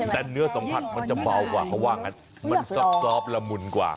แต่เนื้อสัมผัสมันจะเบากว่าเขาว่างั้นมันซอบละมุนกว่า